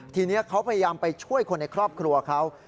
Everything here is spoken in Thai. ทีนี้เขาพยายามไปช่วยคนในครอบครัวเขา